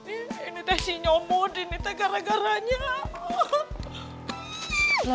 ini tuh si nyomot ini tuh gara garanya